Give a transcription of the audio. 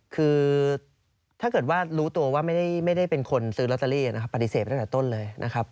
คือถ้าเกิดว่ารู้ตัวว่าไม่ได้เป็นคนซื้อลอตเตอรี่นะครับปฏิเสธตั้งแต่ต้นเลยนะครับ